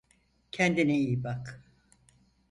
Kendine iyi bak